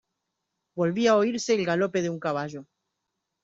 volvía a oírse el galope de un caballo.